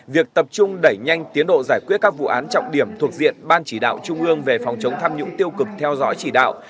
việc tập trung đẩy nhanh tiến độ giải quyết các vụ án trọng điểm thuộc diện ban chỉ đạo trung ương về phòng chống tham nhũng tiêu cực theo dõi chỉ đạo